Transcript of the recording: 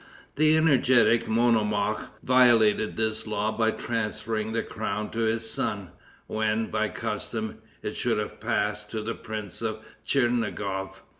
The energetic Monomaque violated this law by transferring the crown to his son, when, by custom, it should have passed to the prince of Tchernigof.